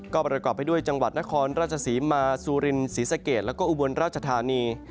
ก็ประกอบไปด้วยจังหวัดนครราชศรีมาซูรินศรีสะเกดแล้วก็อุบลราชธานี